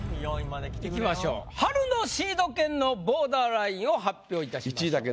いきましょう春のシード権のボーダーラインを発表いたします。